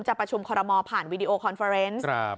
จะประชุมคอรมน์วันผ่านวีดีโอคอนเฟอร์เฟอร์เซ็นต์